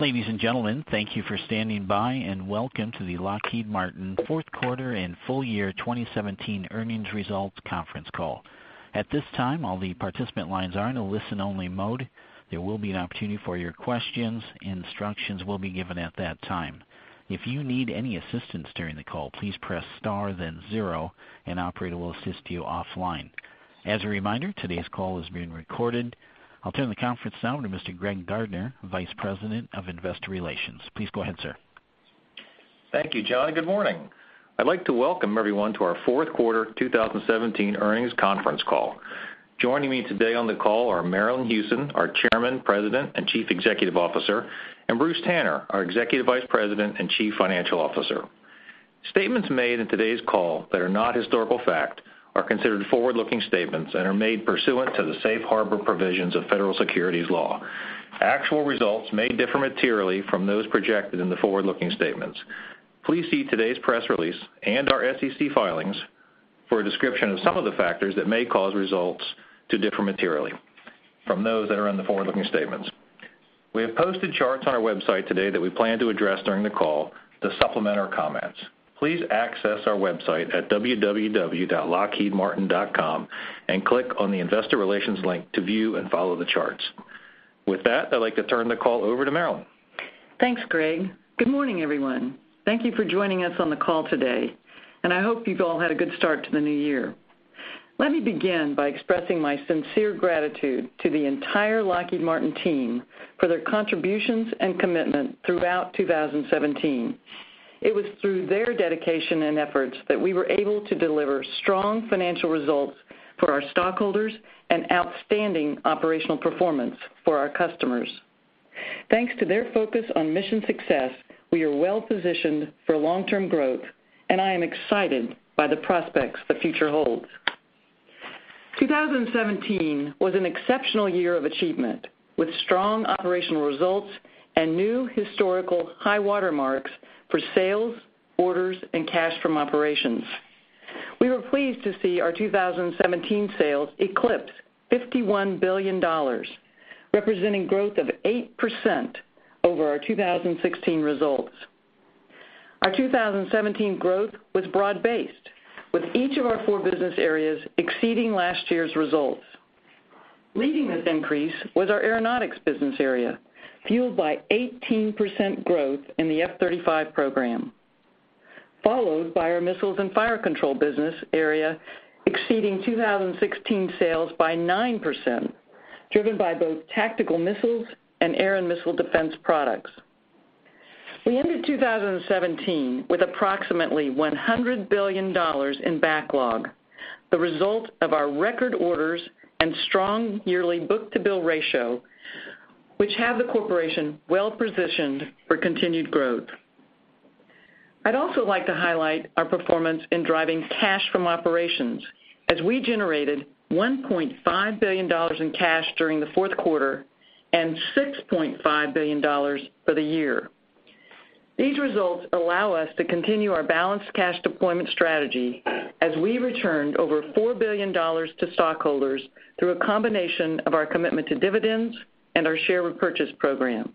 Ladies and gentlemen, thank you for standing by, welcome to the Lockheed Martin Fourth Quarter and Full Year 2017 Earnings Results Conference Call. At this time, all the participant lines are in a listen-only mode. There will be an opportunity for your questions. Instructions will be given at that time. If you need any assistance during the call, please press star then zero, an operator will assist you offline. As a reminder, today's call is being recorded. I'll turn the conference now to Mr. Greg Gardner, Vice President, Investor Relations. Please go ahead, sir. Thank you, John. Good morning. I'd like to welcome everyone to our fourth quarter 2017 earnings conference call. Joining me today on the call are Marillyn Hewson, our Chairman, President, and Chief Executive Officer, and Bruce Tanner, our Executive Vice President and Chief Financial Officer. Statements made in today's call that are not historical fact are considered forward-looking statements and are made pursuant to the safe harbor provisions of federal securities law. Actual results may differ materially from those projected in the forward-looking statements. Please see today's press release and our SEC filings for a description of some of the factors that may cause results to differ materially from those that are in the forward-looking statements. We have posted charts on our website today that we plan to address during the call to supplement our comments. Please access our website at www.lockheedmartin.com, click on the Investor Relations link to view and follow the charts. With that, I'd like to turn the call over to Marillyn. Thanks, Greg. Good morning, everyone. Thank you for joining us on the call today, I hope you've all had a good start to the new year. Let me begin by expressing my sincere gratitude to the entire Lockheed Martin team for their contributions and commitment throughout 2017. It was through their dedication and efforts that we were able to deliver strong financial results for our stockholders and outstanding operational performance for our customers. Thanks to their focus on mission success, we are well-positioned for long-term growth, I am excited by the prospects the future holds. 2017 was an exceptional year of achievement, with strong operational results and new historical high water marks for sales, orders, and cash from operations. We were pleased to see our 2017 sales eclipse $51 billion, representing growth of 8% over our 2016 results. Our 2017 growth was broad-based, with each of our four business areas exceeding last year's results. Leading this increase was our Aeronautics business area, fueled by 18% growth in the F-35 program, followed by our missiles and fire control business area exceeding 2016 sales by 9%, driven by both tactical missiles and air and missile defense products. We ended 2017 with approximately $100 billion in backlog, the result of our record orders and strong yearly book-to-bill ratio, which have the corporation well positioned for continued growth. I'd also like to highlight our performance in driving cash from operations as we generated $1.5 billion in cash during the fourth quarter and $6.5 billion for the year. These results allow us to continue our balanced cash deployment strategy as we returned over $4 billion to stockholders through a combination of our commitment to dividends and our share repurchase program.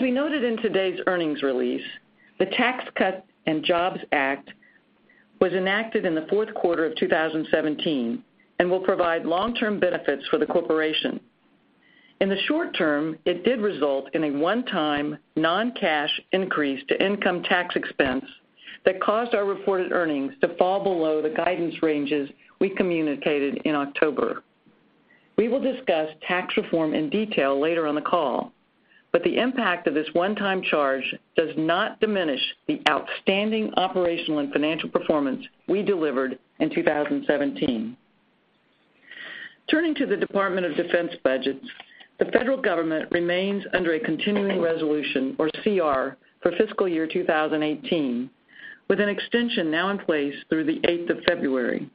We noted in today's earnings release, the Tax Cuts and Jobs Act was enacted in the fourth quarter of 2017 and will provide long-term benefits for the corporation. In the short term, it did result in a one-time non-cash increase to income tax expense that caused our reported earnings to fall below the guidance ranges we communicated in October. We will discuss tax reform in detail later on the call, but the impact of this one-time charge does not diminish the outstanding operational and financial performance we delivered in 2017. Turning to the Department of Defense budgets, the federal government remains under a continuing resolution or CR for fiscal year 2018, with an extension now in place through the 8th of February.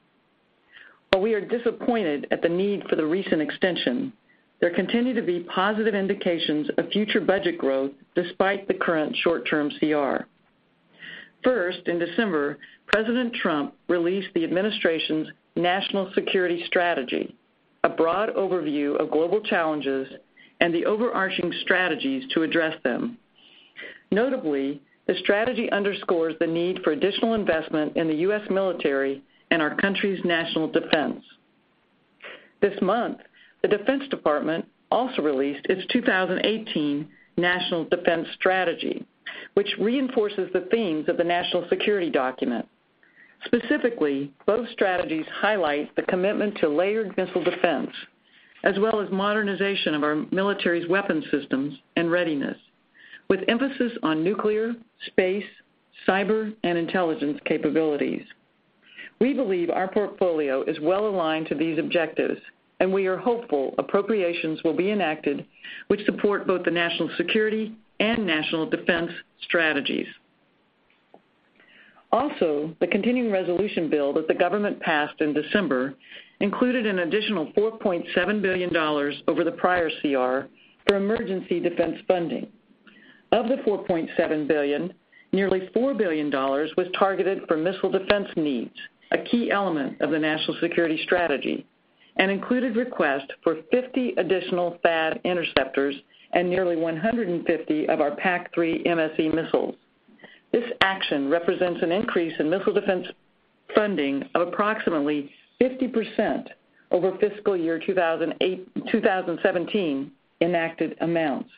We are disappointed at the need for the recent extension, there continue to be positive indications of future budget growth despite the current short-term CR. First, in December, President Trump released the administration's National Security Strategy, a broad overview of global challenges and the overarching strategies to address them. Notably, the strategy underscores the need for additional investment in the U.S. military and our country's national defense. This month, the Defense Department also released its 2018 National Defense Strategy, which reinforces the themes of the national security document. Specifically, both strategies highlight the commitment to layered missile defense, as well as modernization of our military's weapon systems and readiness with emphasis on nuclear, space, cyber, and intelligence capabilities. We believe our portfolio is well aligned to these objectives, and we are hopeful appropriations will be enacted, which support both the National Security and National Defense strategies. The continuing resolution bill that the government passed in December included an additional $4.7 billion over the prior CR for emergency defense funding. Of the $4.7 billion, nearly $4 billion was targeted for missile defense needs, a key element of the National Security Strategy, and included request for 50 additional THAAD interceptors and nearly 150 of our PAC-3 MSE missiles. This action represents an increase in missile defense funding of approximately 50% over fiscal year 2017 enacted amounts,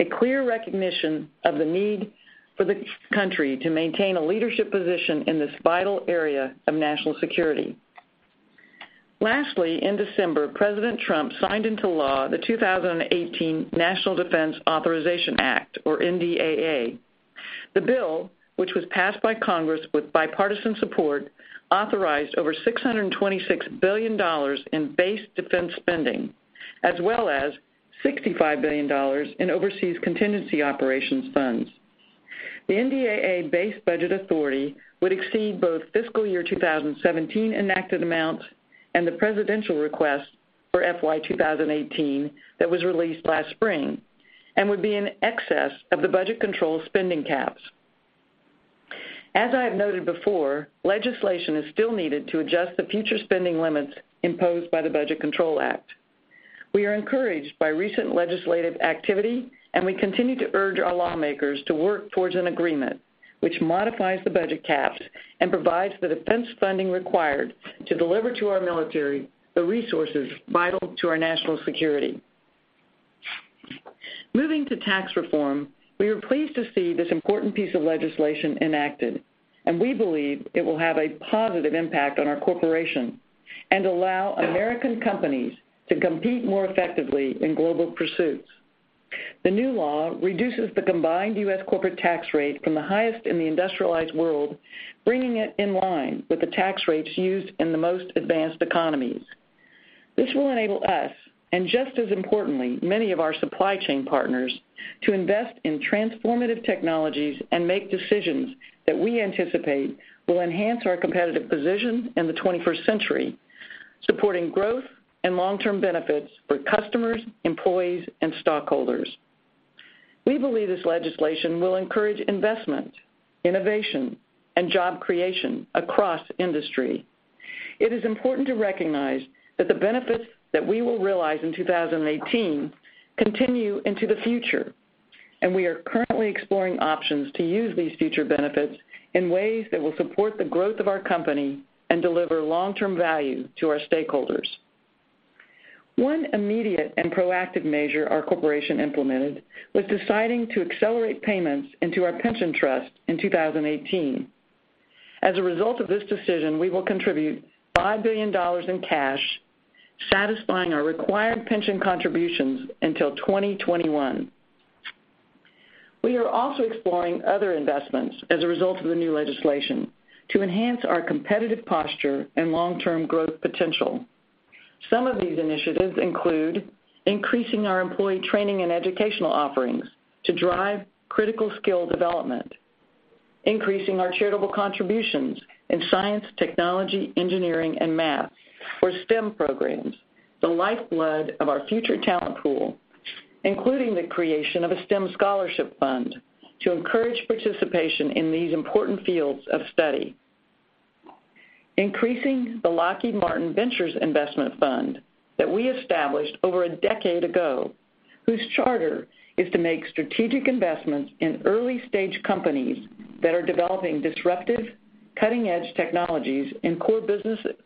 a clear recognition of the need for the country to maintain a leadership position in this vital area of national security. In December, President Trump signed into law the 2018 National Defense Authorization Act, or NDAA. The bill, which was passed by Congress with bipartisan support, authorized over $626 billion in base defense spending, as well as $65 billion in overseas contingency operations funds. The NDAA base budget authority would exceed both fiscal year 2017 enacted amounts and the presidential request for FY 2018 that was released last spring and would be in excess of the budget control spending caps. As I have noted before, legislation is still needed to adjust the future spending limits imposed by the Budget Control Act. We are encouraged by recent legislative activity, and we continue to urge our lawmakers to work towards an agreement which modifies the budget caps and provides the defense funding required to deliver to our military the resources vital to our national security. Moving to tax reform, we are pleased to see this important piece of legislation enacted, and we believe it will have a positive impact on our corporation and allow American companies to compete more effectively in global pursuits. The new law reduces the combined U.S. corporate tax rate from the highest in the industrialized world, bringing it in line with the tax rates used in the most advanced economies. This will enable us, and just as importantly, many of our supply chain partners, to invest in transformative technologies and make decisions that we anticipate will enhance our competitive position in the 21st century, supporting growth and long-term benefits for customers, employees, and stockholders. We believe this legislation will encourage investment, innovation, and job creation across industry. It is important to recognize that the benefits that we will realize in 2018 continue into the future, and we are currently exploring options to use these future benefits in ways that will support the growth of our company and deliver long-term value to our stakeholders. One immediate and proactive measure our corporation implemented was deciding to accelerate payments into our pension trust in 2018. As a result of this decision, we will contribute $5 billion in cash, satisfying our required pension contributions until 2021. We are also exploring other investments as a result of the new legislation to enhance our competitive posture and long-term growth potential. Some of these initiatives include increasing our employee training and educational offerings to drive critical skill development, increasing our charitable contributions in science, technology, engineering, and math for STEM programs, the lifeblood of our future talent pool, including the creation of a STEM scholarship fund to encourage participation in these important fields of study. Increasing the Lockheed Martin Ventures investment fund that we established over a decade ago, whose charter is to make strategic investments in early-stage companies that are developing disruptive, cutting-edge technologies in core businesses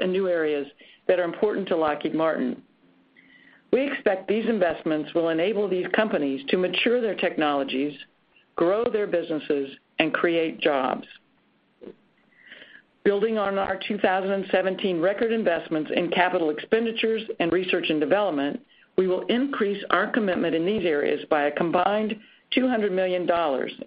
and new areas that are important to Lockheed Martin. We expect these investments will enable these companies to mature their technologies, grow their businesses, and create jobs. Building on our 2017 record investments in capital expenditures and research and development, we will increase our commitment in these areas by a combined $200 million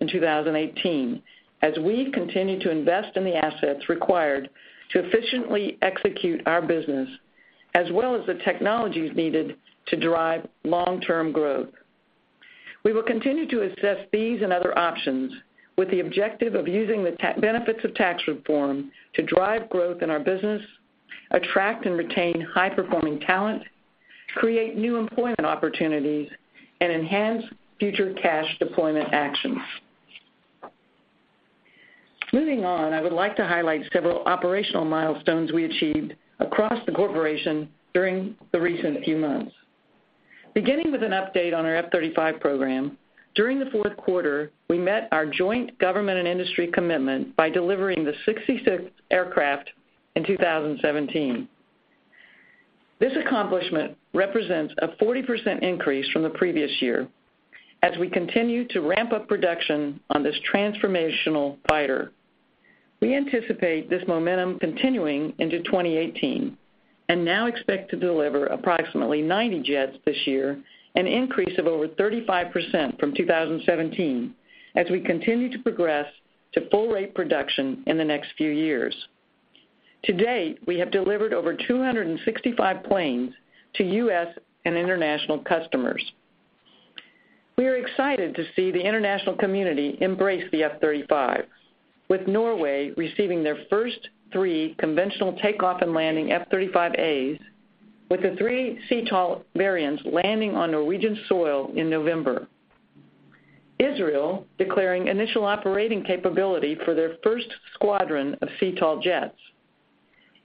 in 2018 as we continue to invest in the assets required to efficiently execute our business, as well as the technologies needed to drive long-term growth. We will continue to assess these and other options with the objective of using the benefits of tax reform to drive growth in our business, attract and retain high-performing talent, create new employment opportunities, and enhance future cash deployment actions. Moving on, I would like to highlight several operational milestones we achieved across the corporation during the recent few months. Beginning with an update on our F-35 program, during the fourth quarter, we met our joint government and industry commitment by delivering the 66th aircraft in 2017. This accomplishment represents a 40% increase from the previous year as we continue to ramp up production on this transformational fighter. We anticipate this momentum continuing into 2018 and now expect to deliver approximately 90 jets this year, an increase of over 35% from 2017 as we continue to progress to full rate production in the next few years. To date, we have delivered over 265 planes to U.S. and international customers. We are excited to see the international community embrace the F-35, with Norway receiving their first three conventional takeoff and landing F-35As, with the three CTOL variants landing on Norwegian soil in November. Israel declaring initial operating capability for their first squadron of CTOL jets.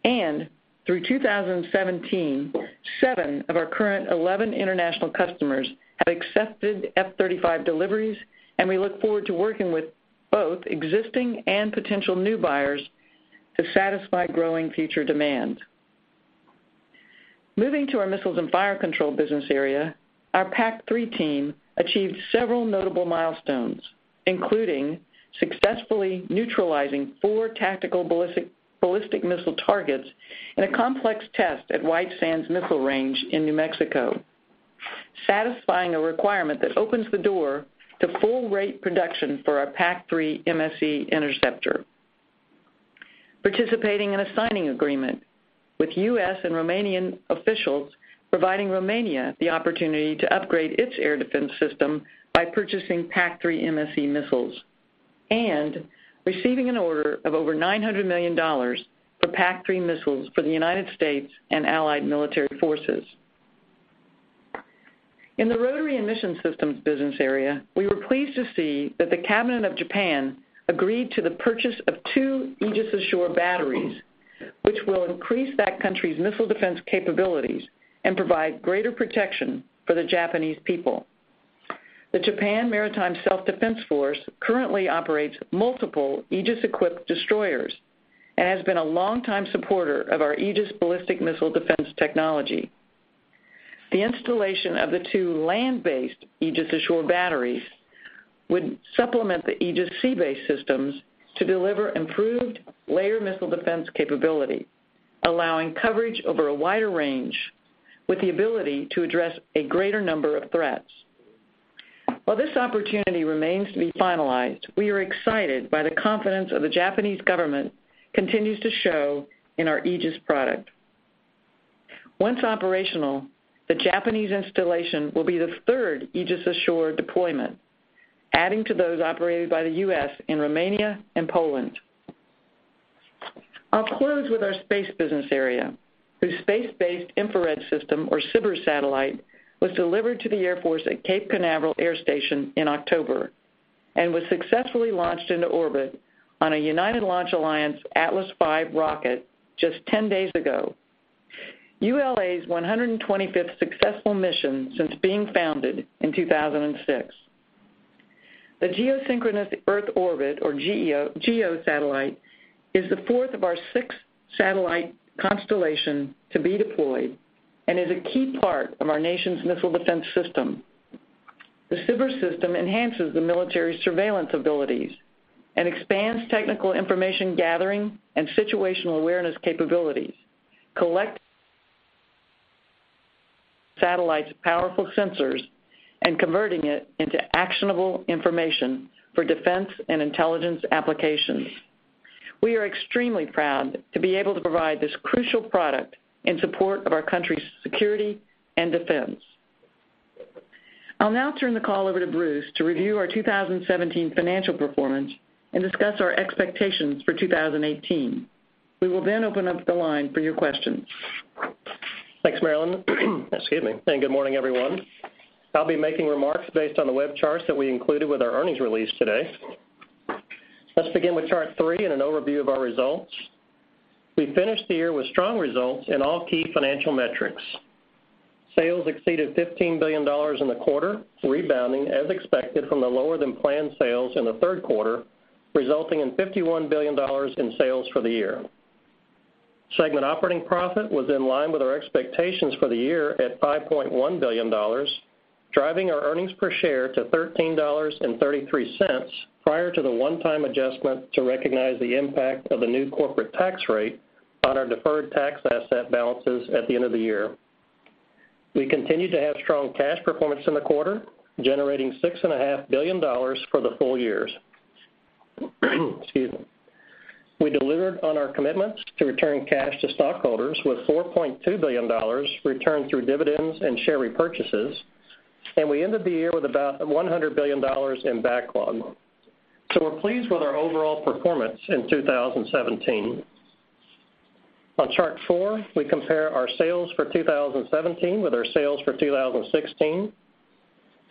Through 2017, seven of our current 11 international customers have accepted F-35 deliveries, and we look forward to working with both existing and potential new buyers to satisfy growing future demand. Moving to our missiles and fire control business area, our PAC-3 team achieved several notable milestones, including successfully neutralizing four tactical ballistic missile targets in a complex test at White Sands Missile Range in New Mexico, satisfying a requirement that opens the door to full-rate production for our PAC-3 MSE interceptor. Participating in a signing agreement with U.S. and Romanian officials, providing Romania the opportunity to upgrade its air defense system by purchasing PAC-3 MSE missiles, and receiving an order of over $900 million for PAC-3 missiles for the United States and allied military forces. In the Rotary and Mission Systems business area, we were pleased to see that the cabinet of Japan agreed to the purchase of two Aegis Ashore batteries, which will increase that country's missile defense capabilities and provide greater protection for the Japanese people. The Japan Maritime Self-Defense Force currently operates multiple Aegis-equipped destroyers and has been a longtime supporter of our Aegis Ballistic Missile Defense technology. The installation of the two land-based Aegis Ashore batteries would supplement the Aegis sea-based systems to deliver improved layer missile defense capability, allowing coverage over a wider range with the ability to address a greater number of threats. While this opportunity remains to be finalized, we are excited by the confidence of the Japanese government continues to show in our Aegis product. Once operational, the Japanese installation will be the third Aegis Ashore deployment, adding to those operated by the U.S. in Romania and Poland. I'll close with our space business area, whose Space-Based Infrared System, or SBIRS satellite, was delivered to the Air Force at Cape Canaveral Air Station in October and was successfully launched into orbit on a United Launch Alliance Atlas V rocket just 10 days ago, ULA's 125th successful mission since being founded in 2006. The Geosynchronous Earth Orbit, or GEO satellite, is the fourth of our six-satellite constellation to be deployed and is a key part of our nation's missile defense system. The SBIRS system enhances the military's surveillance abilities and expands technical information gathering and situational awareness capabilities, collect satellite's powerful sensors, and converting it into actionable information for defense and intelligence applications. We are extremely proud to be able to provide this crucial product in support of our country's security and defense. I'll now turn the call over to Bruce to review our 2017 financial performance and discuss our expectations for 2018. We will then open up the line for your questions. Thanks, Marillyn. Excuse me. Good morning, everyone. I'll be making remarks based on the web charts that we included with our earnings release today. Let's begin with chart three and an overview of our results. We finished the year with strong results in all key financial metrics. Sales exceeded $15 billion in the quarter, rebounding as expected from the lower-than-planned sales in the third quarter, resulting in $51 billion in sales for the year. Segment operating profit was in line with our expectations for the year at $5.1 billion, driving our earnings per share to $13.33 prior to the one-time adjustment to recognize the impact of the new corporate tax rate on our deferred tax asset balances at the end of the year. We continued to have strong cash performance in the quarter, generating $6.5 billion for the full year. Excuse me. We delivered on our commitments to return cash to stockholders with $4.2 billion returned through dividends and share repurchases. We ended the year with about $100 billion in backlog. We're pleased with our overall performance in 2017. On chart four, we compare our sales for 2017 with our sales for 2016.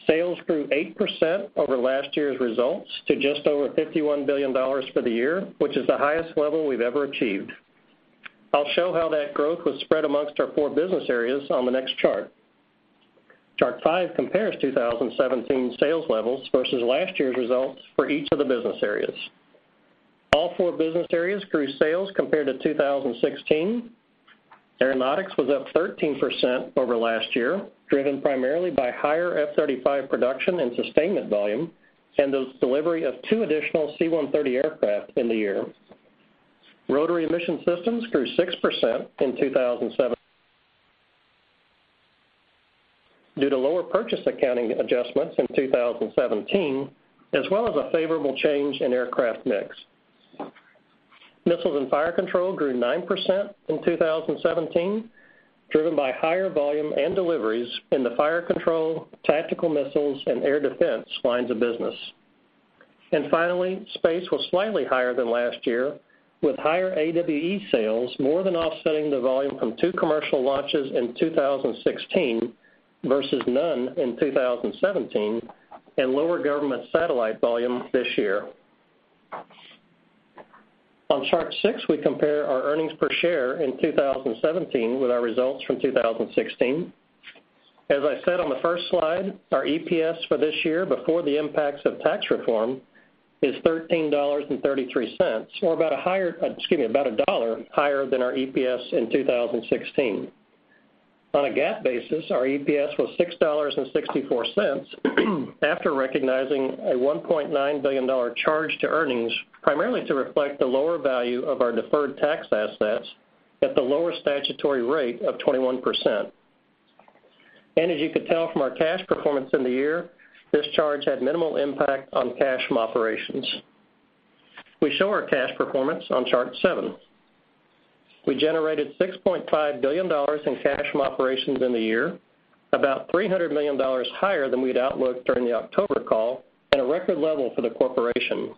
Sales grew 8% over last year's results to just over $51 billion for the year, which is the highest level we've ever achieved. I'll show how that growth was spread amongst our four business areas on the next chart. Chart five compares 2017 sales levels versus last year's results for each of the business areas. All four business areas grew sales compared to 2016. Aeronautics was up 13% over last year, driven primarily by higher F-35 production and sustainment volume and the delivery of two additional C-130 aircraft in the year. Rotary and Mission Systems grew 6% in 2017 due to lower purchase accounting adjustments in 2017, as well as a favorable change in aircraft mix. Missiles and Fire Control grew 9% in 2017, driven by higher volume and deliveries in the fire control, tactical missiles, and air defense lines of business. Finally, Space was slightly higher than last year, with higher AWE sales more than offsetting the volume from two commercial launches in 2016 versus none in 2017, and lower government satellite volume this year. On chart six, we compare our earnings per share in 2017 with our results from 2016. As I said on the first slide, our EPS for this year before the impacts of tax reform is $13.33, or about $1 higher than our EPS in 2016. On a GAAP basis, our EPS was $6.64 after recognizing a $1.9 billion charge to earnings, primarily to reflect the lower value of our deferred tax assets at the lower statutory rate of 21%. As you could tell from our cash performance in the year, this charge had minimal impact on cash from operations. We show our cash performance on chart 7. We generated $6.5 billion in cash from operations in the year, about $300 million higher than we'd outlook during the October call, and a record level for the corporation.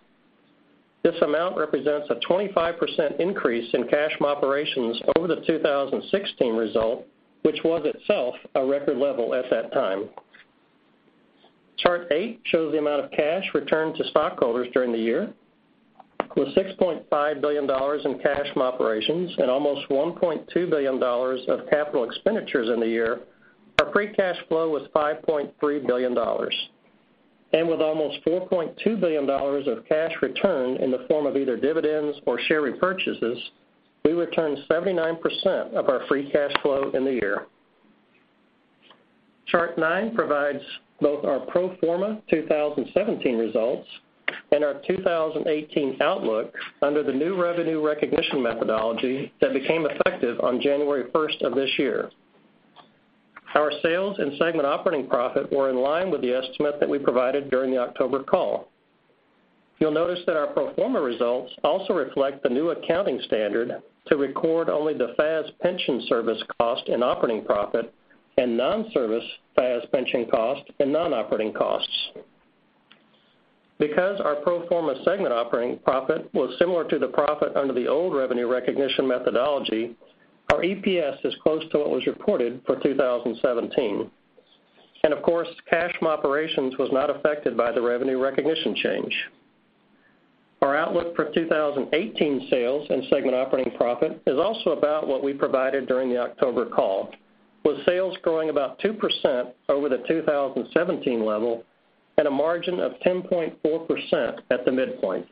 This amount represents a 25% increase in cash from operations over the 2016 result, which was itself a record level at that time. Chart 8 shows the amount of cash returned to stockholders during the year. With $6.5 billion in cash from operations and almost $1.2 billion of capital expenditures in the year, our free cash flow was $5.3 billion. With almost $4.2 billion of cash returned in the form of either dividends or share repurchases, we returned 79% of our free cash flow in the year. Chart 9 provides both our pro forma 2017 results and our 2018 outlook under the new revenue recognition methodology that became effective on January 1st of this year. Our sales and segment operating profit were in line with the estimate that we provided during the October call. You'll notice that our pro forma results also reflect the new accounting standard to record only the FAS pension service cost and operating profit, and non-service FAS pension cost and non-operating costs. Because our pro forma segment operating profit was similar to the profit under the old revenue recognition methodology, our EPS is close to what was reported for 2017. Of course, cash from operations was not affected by the revenue recognition change. Our outlook for 2018 sales and segment operating profit is also about what we provided during the October call, with sales growing about 2% over the 2017 level and a margin of 10.4% at the midpoint.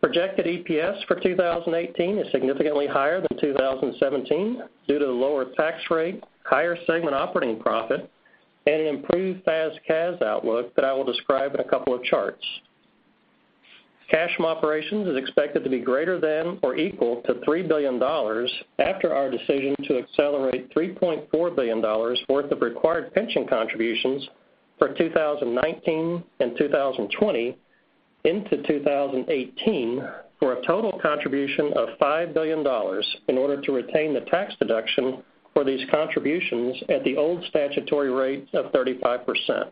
Projected EPS for 2018 is significantly higher than 2017 due to the lower tax rate, higher segment operating profit, and an improved FAS/CAS outlook that I will describe in a couple of charts. Cash from operations is expected to be greater than or equal to $3 billion after our decision to accelerate $3.4 billion worth of required pension contributions for 2019 and 2020 into 2018 for a total contribution of $5 billion in order to retain the tax deduction for these contributions at the old statutory rate of 35%.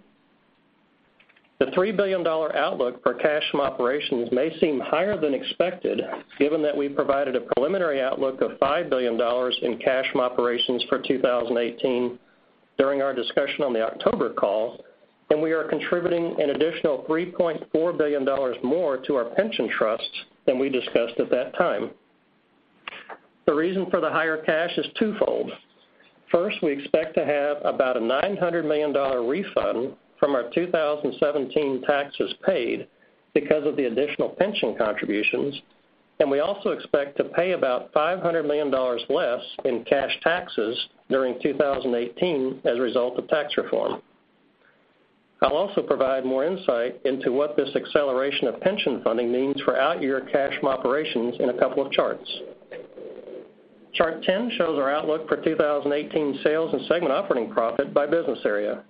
The $3 billion outlook for cash from operations may seem higher than expected, given that we provided a preliminary outlook of $5 billion in cash from operations for 2018 during our discussion on the October call, and we are contributing an additional $3.4 billion more to our pension trust than we discussed at that time. The reason for the higher cash is twofold. First, we expect to have about a $900 million refund from our 2017 taxes paid because of the additional pension contributions. We also expect to pay about $500 million less in cash taxes during 2018 as a result of Tax Reform. I'll also provide more insight into what this acceleration of pension funding means for out-year cash from operations in a couple of charts. Chart 10 shows our outlook for 2018 sales and segment operating profit by business area.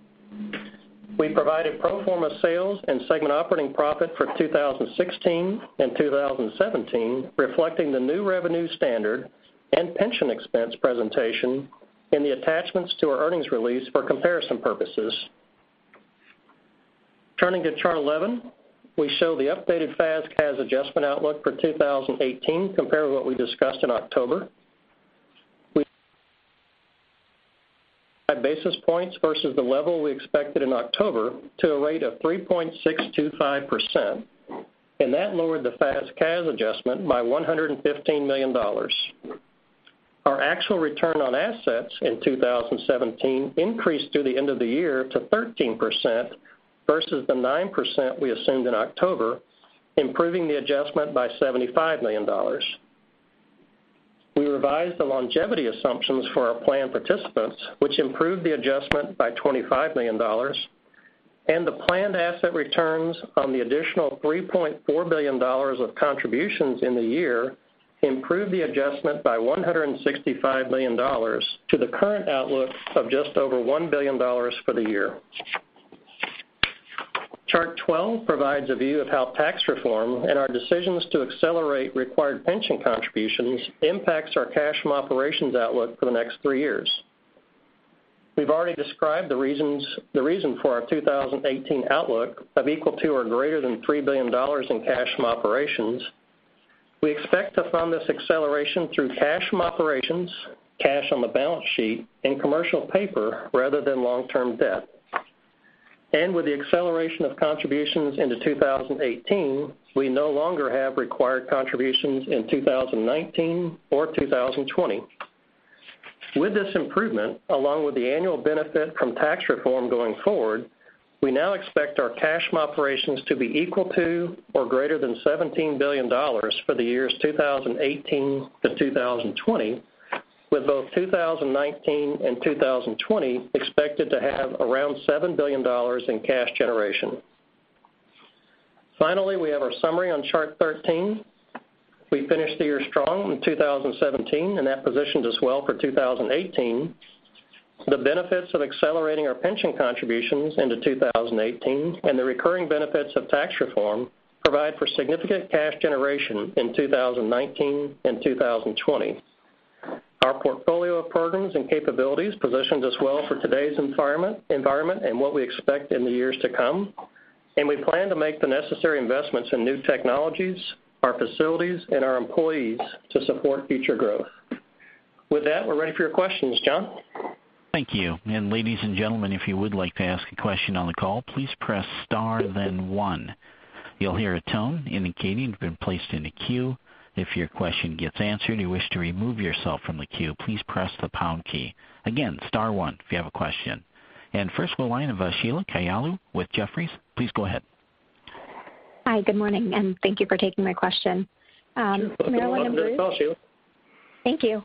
We provided pro forma sales and segment operating profit for 2016 and 2017, reflecting the new revenue standard and pension expense presentation in the attachments to our earnings release for comparison purposes. Turning to Chart 11, we show the updated FAS/CAS adjustment outlook for 2018 compared to what we discussed in October. We basis points versus the level we expected in October to a rate of 3.625%. That lowered the FAS/CAS adjustment by $115 million. Our actual return on assets in 2017 increased through the end of the year to 13% versus the 9% we assumed in October, improving the adjustment by $75 million. We revised the longevity assumptions for our plan participants, which improved the adjustment by $25 million. The planned asset returns on the additional $3.4 billion of contributions in the year improved the adjustment by $165 million to the current outlook of just over $1 billion for the year. Chart 12 provides a view of how Tax Reform and our decisions to accelerate required pension contributions impacts our cash from operations outlook for the next three years. We've already described the reason for our 2018 outlook of equal to or greater than $3 billion in cash from operations. We expect to fund this acceleration through cash from operations, cash on the balance sheet, and commercial paper rather than long-term debt. With the acceleration of contributions into 2018, we no longer have required contributions in 2019 or 2020. With this improvement, along with the annual benefit from Tax Reform going forward, we now expect our cash from operations to be equal to or greater than $17 billion for the years 2018 to 2020, with both 2019 and 2020 expected to have around $7 billion in cash generation. Finally, we have our summary on Chart 13. We finished the year strong in 2017. That positions us well for 2018. The benefits of accelerating our pension contributions into 2018 and the recurring benefits of Tax Reform provide for significant cash generation in 2019 and 2020. Our portfolio of programs and capabilities positions us well for today's environment and what we expect in the years to come. We plan to make the necessary investments in new technologies, our facilities and our employees to support future growth. With that, we're ready for your questions. John? Thank you. Ladies and gentlemen, if you would like to ask a question on the call, please press star, then one. You'll hear a tone indicating you've been placed in a queue. If your question gets answered and you wish to remove yourself from the queue, please press the pound key. Again, star one if you have a question. First we'll go line of Sheila Kahyaoglu with Jefferies. Please go ahead. Hi. Good morning, and thank you for taking my question. Sure. I'm on the line with Bruce. Welcome to our call, Sheila. Thank you.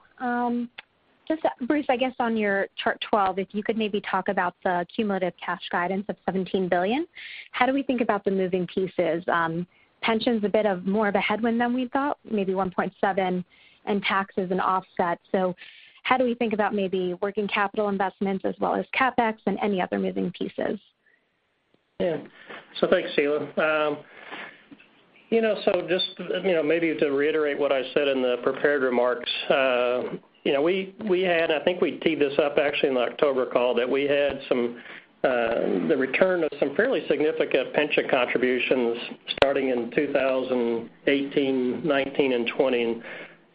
Bruce, I guess on your Chart 12, if you could maybe talk about the cumulative cash guidance of $17 billion. How do we think about the moving pieces? Pension's a bit of more of a headwind than we thought, maybe $1.7, and tax is an offset. How do we think about maybe working capital investments as well as CapEx and any other moving pieces? Yeah. Thanks, Sheila. Just maybe to reiterate what I said in the prepared remarks. I think we teed this up actually in the October call, that we had the return of some fairly significant pension contributions starting in 2018, 2019, and 2020.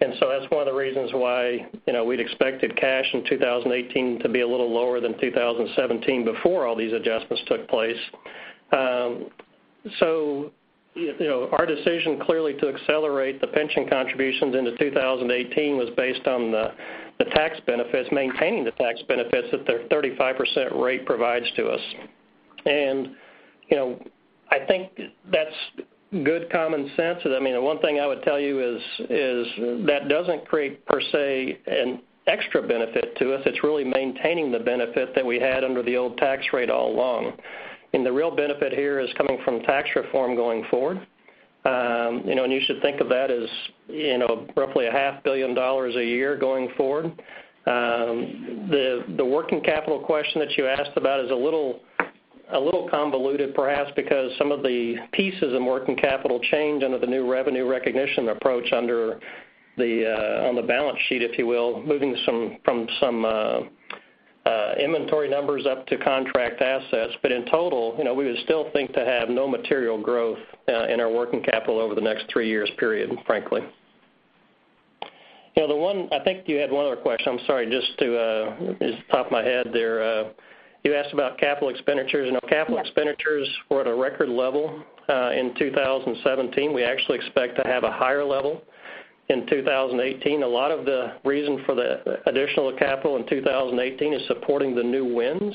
That's one of the reasons why we'd expected cash in 2018 to be a little lower than 2017 before all these adjustments took place. Our decision clearly to accelerate the pension contributions into 2018 was based on the tax benefits, maintaining the tax benefits that their 35% rate provides to us. I think that's good common sense. One thing I would tell you is that doesn't create per se an extra benefit to us. It's really maintaining the benefit that we had under the old tax rate all along. The real benefit here is coming from tax reform going forward. You should think of that as roughly a half billion dollars a year going forward. The working capital question that you asked about is a little convoluted perhaps because some of the pieces in working capital change under the new revenue recognition approach on the balance sheet, if you will, moving from some inventory numbers up to contract assets. In total, we would still think to have no material growth in our working capital over the next three years period, frankly. I think you had one other question. I'm sorry, just off the top of my head there. You asked about capital expenditures. Yes. Capital expenditures were at a record level in 2017. We actually expect to have a higher level in 2018. A lot of the reason for the additional capital in 2018 is supporting the new wins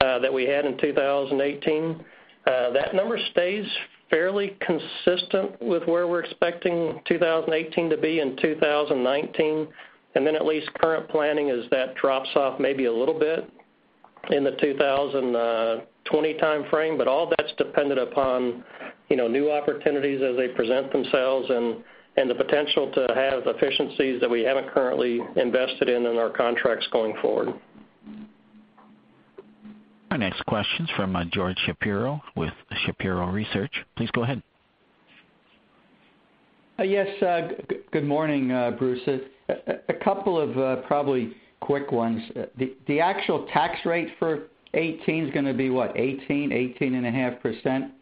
that we had in 2018. That number stays fairly consistent with where we're expecting 2018 to be in 2019, then at least current planning is that drops off maybe a little bit in the 2020 timeframe. All that's dependent upon new opportunities as they present themselves and the potential to have efficiencies that we haven't currently invested in in our contracts going forward. Our next question's from George Shapiro with Shapiro Research. Please go ahead. Yes. Good morning, Bruce. A couple of probably quick ones. The actual tax rate for 2018's going to be what? 18%, 18.5%?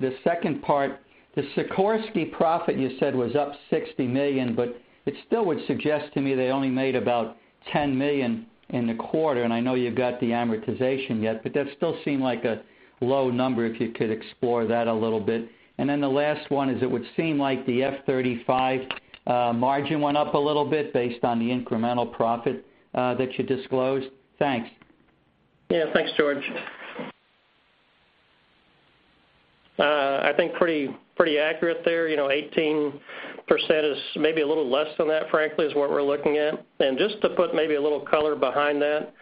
The second part, the Sikorsky profit you said was up $60 million, but it still would suggest to me they only made about $10 million in the quarter, and I know you've got the amortization yet, but that still seemed like a low number if you could explore that a little bit. The last one is it would seem like the F-35 margin went up a little bit based on the incremental profit that you disclosed. Thanks. Yeah. Thanks, George. I think pretty accurate there. 18%, maybe a little less than that, frankly, is what we're looking at. Just to put maybe a little color behind that,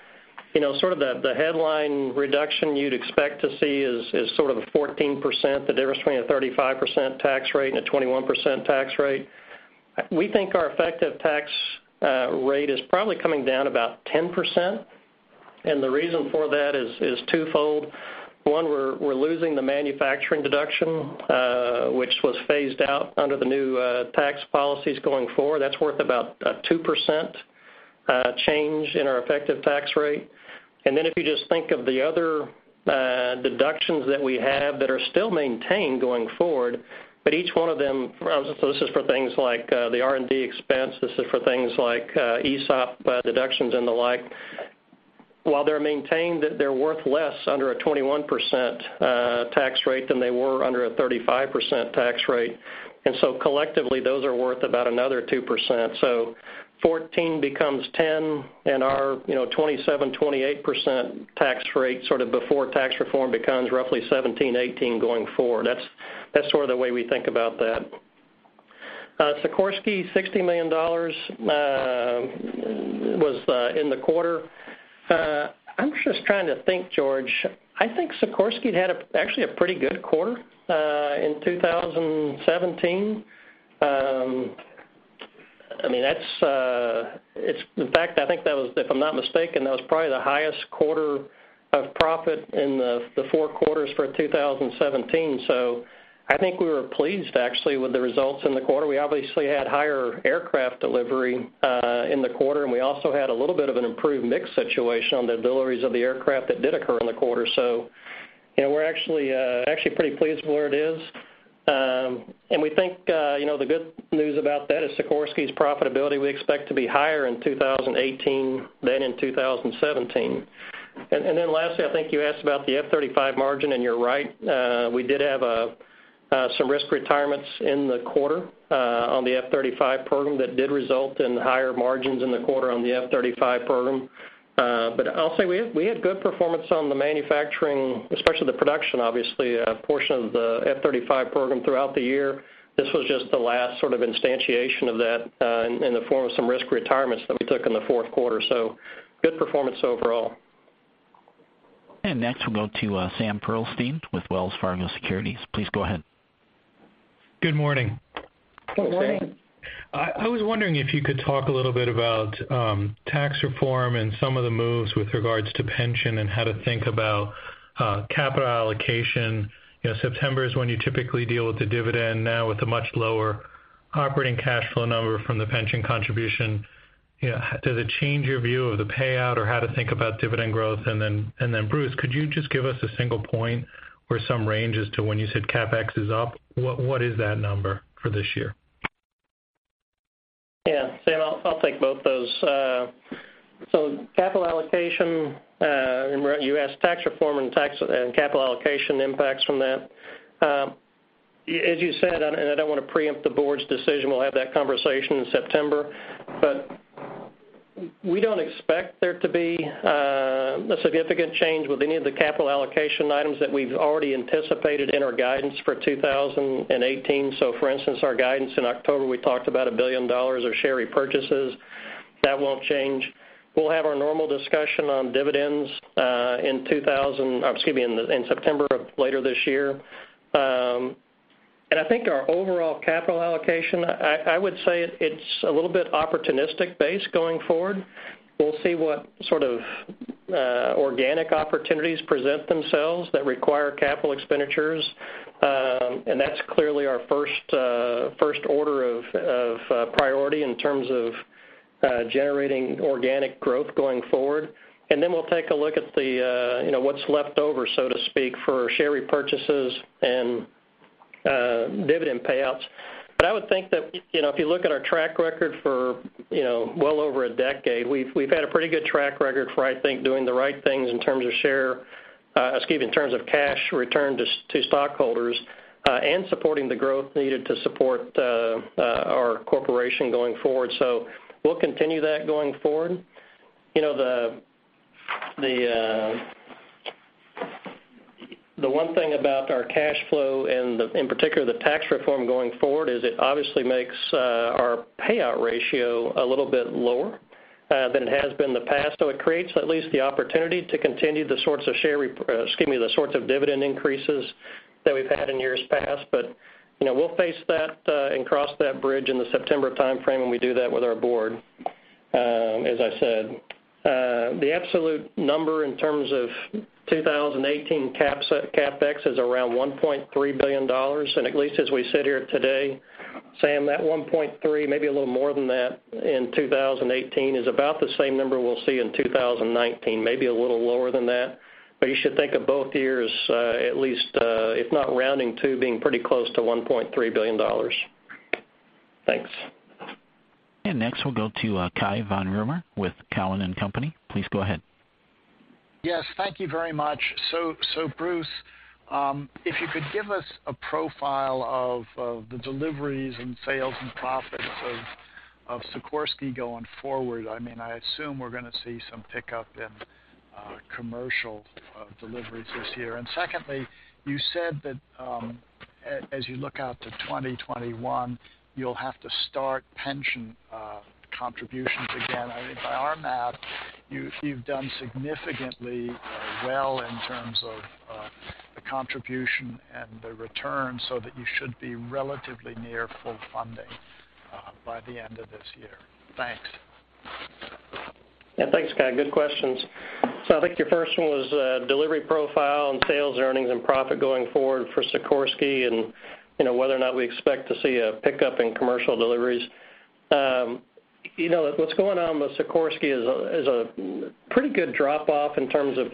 sort of the headline reduction you'd expect to see is sort of a 14%, the difference between a 35% tax rate and a 21% tax rate. We think our effective tax rate is probably coming down about 10%, and the reason for that is twofold. One, we're losing the manufacturing deduction, which was phased out under the new tax policies going forward. That's worth about a 2% change in our effective tax rate. If you just think of the other deductions that we have that are still maintained going forward, but each one of them, so this is for things like the R&D expense, this is for things like ESOP deductions and the like. While they're maintained, they're worth less under a 21% tax rate than they were under a 35% tax rate. Collectively, those are worth about another 2%. 14 becomes 10, and our 27%, 28% tax rate sort of before tax reform becomes roughly 17%, 18% going forward. That's the way we think about that. Sikorsky, $60 million was in the quarter. I'm just trying to think, George. I think Sikorsky had actually a pretty good quarter, in 2017. In fact, I think if I'm not mistaken, that was probably the highest quarter of profit in the four quarters for 2017. I think we were pleased actually with the results in the quarter. We obviously had higher aircraft delivery, in the quarter, and we also had a little bit of an improved mix situation on the deliveries of the aircraft that did occur in the quarter. We're actually pretty pleased where it is. We think the good news about that is Sikorsky's profitability we expect to be higher in 2018 than in 2017. Lastly, I think you asked about the F-35 margin, and you're right. We did have some risk retirements in the quarter on the F-35 program that did result in higher margins in the quarter on the F-35 program. I'll say we had good performance on the manufacturing, especially the production, obviously, portion of the F-35 program throughout the year. This was just the last sort of instantiation of that, in the form of some risk retirements that we took in the fourth quarter. Good performance overall. Next, we'll go to Sam Pearlstein with Wells Fargo Securities. Please go ahead. Good morning. Good morning. I was wondering if you could talk a little bit about tax reform and some of the moves with regards to pension, and how to think about capital allocation. September is when you typically deal with the dividend. Now, with a much lower operating cash flow number from the pension contribution, does it change your view of the payout or how to think about dividend growth? Bruce, could you just give us a single point or some range as to when you said CapEx is up? What is that number for this year? Sam, I'll take both those. Capital allocation, U.S. tax reform and capital allocation impacts from that. As you said, I don't want to preempt the board's decision, we'll have that conversation in September, we don't expect there to be a significant change with any of the capital allocation items that we've already anticipated in our guidance for 2018. For instance, our guidance in October, we talked about $1 billion of share repurchases. That won't change. We'll have our normal discussion on dividends in September of later this year. I think our overall capital allocation, I would say it's a little bit opportunistic based going forward. We'll see what sort of organic opportunities present themselves that require capital expenditures. That's clearly our first order of priority in terms of generating organic growth going forward. We'll take a look at what's left over, so to speak, for share repurchases and dividend payouts. I would think that if you look at our track record for well over a decade, we've had a pretty good track record for, I think, doing the right things in terms of cash returned to stockholders, supporting the growth needed to support our corporation going forward. We'll continue that going forward. The one thing about our cash flow and in particular, the tax reform going forward is it obviously makes our payout ratio a little bit lower than it has been in the past. It creates at least the opportunity to continue the sorts of dividend increases that we've had in years past. We'll face that and cross that bridge in the September timeframe when we do that with our board, as I said. The absolute number in terms of 2018 CapEx is around $1.3 billion, at least as we sit here today, Sam, that $1.3 billion, maybe a little more than that in 2018, is about the same number we'll see in 2019, maybe a little lower than that. You should think of both years, at least, if not rounding to being pretty close to $1.3 billion. Thanks. Next, we'll go to Cai von Rumohr with Cowen and Company. Please go ahead. Yes. Thank you very much. Bruce, if you could give us a profile of the deliveries and sales and profits of Sikorsky going forward. I assume we're going to see some pickup in commercial deliveries this year. Secondly, you said that as you look out to 2021, you'll have to start pension contributions again. I think by our math, you've done significantly well in terms of the contribution and the return so that you should be relatively near full funding by the end of this year. Thanks. Thanks, Cai. Good questions. I think your first one was delivery profile and sales earnings and profit going forward for Sikorsky and whether or not we expect to see a pickup in commercial deliveries. What's going on with Sikorsky is a pretty good drop-off in terms of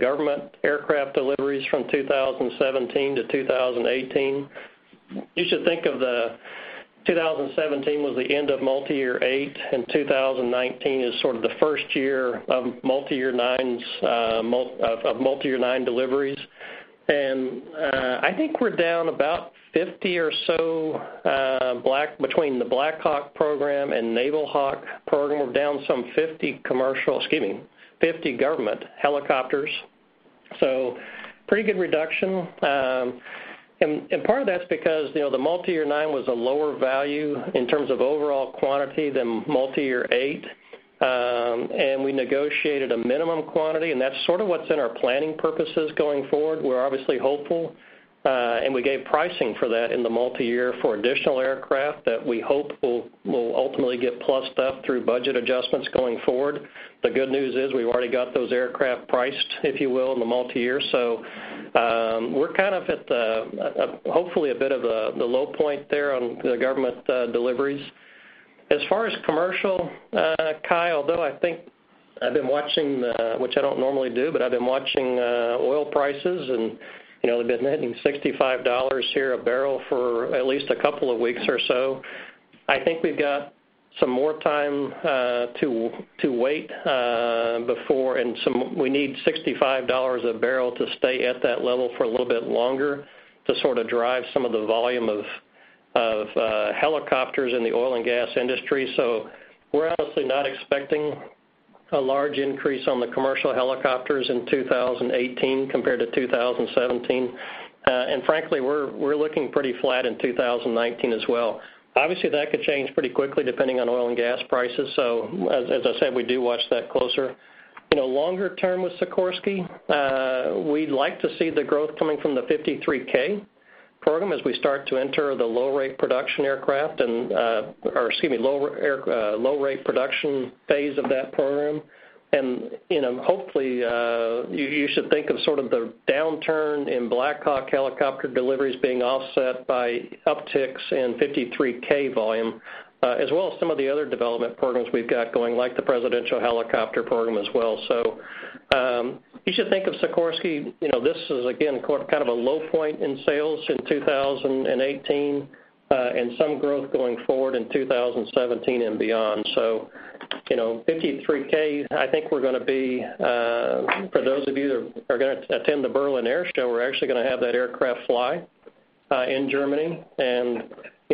government aircraft deliveries from 2017 to 2018. You should think of 2017 was the end of multi-year eight, 2019 as sort of the first year of multi-year nine deliveries. I think we're down about 50 or so between the Black Hawk program and Naval Hawk program. We're down some 50 government helicopters. Pretty good reduction. Part of that's because the multi-year nine was a lower value in terms of overall quantity than multi-year eight. We negotiated a minimum quantity, and that's sort of what's in our planning purposes going forward. We're obviously hopeful. We gave pricing for that in the multi-year for additional aircraft that we hope will ultimately get plussed up through budget adjustments going forward. The good news is we've already got those aircraft priced, if you will, in the multi-year. We're kind of at hopefully a bit of the low point there on the government deliveries. As far as commercial, Cai, though, I think I've been watching, which I don't normally do, but I've been watching oil prices, and they've been hitting $65 here a barrel for at least a couple of weeks or so. I think we've got some more time to wait. We need $65 a barrel to stay at that level for a little bit longer to sort of drive some of the volume of helicopters in the oil and gas industry. We're honestly not expecting a large increase on the commercial helicopters in 2018 compared to 2017. Frankly, we're looking pretty flat in 2019 as well. Obviously, that could change pretty quickly depending on oil and gas prices. As I said, we do watch that closer. Longer term with Sikorsky, we'd like to see the growth coming from the CH-53K program as we start to enter the low-rate production phase of that program. Hopefully, you should think of sort of the downturn in Black Hawk helicopter deliveries being offset by upticks in CH-53K volume, as well as some of the other development programs we've got going, like the presidential helicopter program as well. You should think of Sikorsky, this is again, kind of a low point in sales in 2018, and some growth going forward in 2017 and beyond. CH-53K, for those of you that are going to attend the Berlin Air Show, we're actually going to have that aircraft fly in Germany.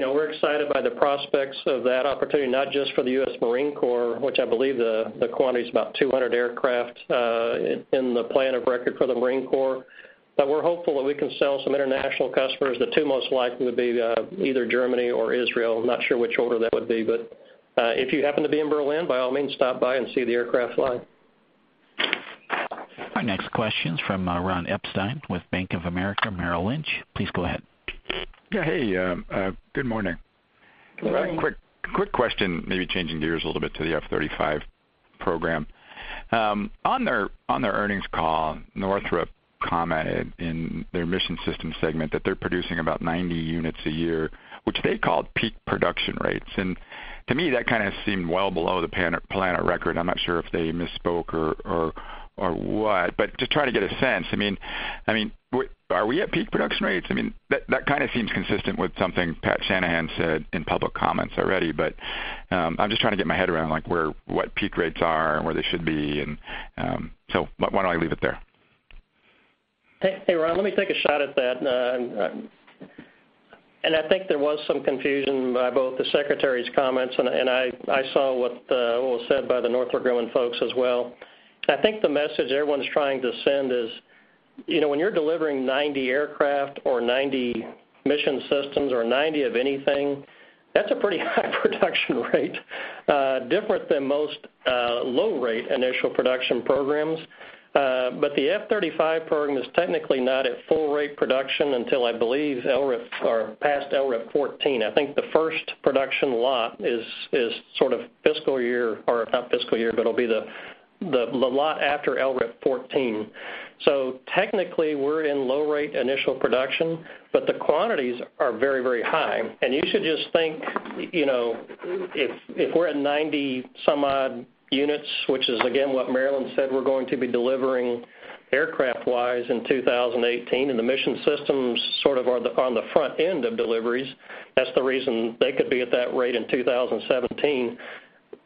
We're excited by the prospects of that opportunity, not just for the US Marine Corps, which I believe the quantity is about 200 aircraft in the plan of record for the Marine Corps. We're hopeful that we can sell some international customers. The two most likely would be either Germany or Israel. I'm not sure which order that would be, but if you happen to be in Berlin, by all means, stop by and see the aircraft fly. Our next question's from Ron Epstein with Bank of America Merrill Lynch. Please go ahead. Yeah. Hey, good morning. Good morning. Quick question, maybe changing gears a little bit to the F-35 program. On their earnings call, Northrop commented in their Mission Systems segment that they're producing about 90 units a year, which they called peak production rates. To me, that kind of seemed well below the planned record. I'm not sure if they misspoke or what, but just trying to get a sense. Are we at peak production rates? That kind of seems consistent with something Pat Shanahan said in public comments already, but I'm just trying to get my head around what peak rates are and where they should be. Why don't I leave it there? Hey, Ron, let me take a shot at that. I think there was some confusion by both the secretary's comments, and I saw what was said by the Northrop Grumman folks as well. I think the message everyone's trying to send is when you're delivering 90 aircraft or 90 mission systems or 90 of anything, that's a pretty high production rate. Different than most low-rate initial production programs. The F-35 program is technically not at full-rate production until I believe past LRIP-14. I think the first production lot is sort of fiscal year, but it'll be the lot after LRIP-14. Technically, we're in low-rate initial production, but the quantities are very, very high. You should just think if we're at 90 some odd units, which is again, what Marillyn said we're going to be delivering aircraft-wise in 2018, and the mission systems sort of are on the front end of deliveries, that's the reason they could be at that rate in 2017.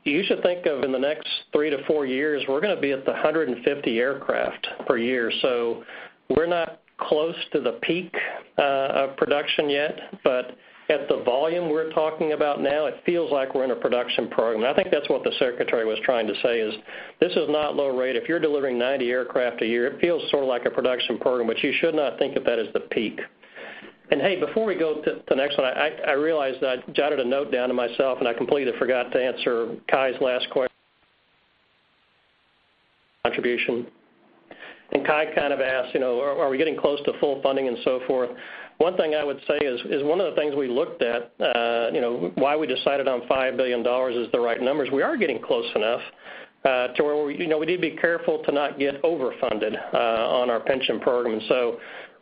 You should think of in the next three to four years, we're going to be at the 150 aircraft per year. We're not close to the peak of production yet, but at the volume we're talking about now, it feels like we're in a production program. I think that's what the secretary was trying to say is this is not low rate. If you're delivering 90 aircraft a year, it feels sort of like a production program, but you should not think of that as the peak. Hey, before we go to the next one, I realized that I jotted a note down to myself, I completely forgot to answer Cai's last question. Contribution. Cai kind of asked, are we getting close to full funding and so forth? One thing I would say is one of the things we looked at, why we decided on $5 billion as the right number, is we are getting close enough to where we need to be careful to not get over-funded on our pension program.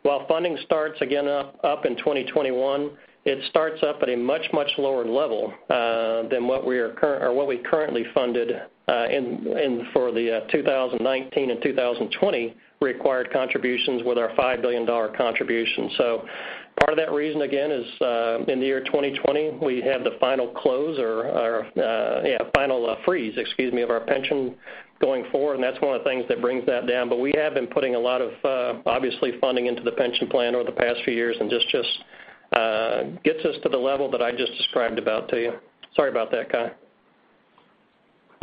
While funding starts again up in 2021, it starts up at a much, much lower level than what we currently funded for the 2019 and 2020 required contributions with our $5 billion contribution. Part of that reason, again, is in the year 2020, we have the final close or final freeze, excuse me, of our pension going forward, that's one of the things that brings that down. We have been putting a lot of, obviously, funding into the pension plan over the past few years, this just gets us to the level that I just described about to you. Sorry about that, Cai.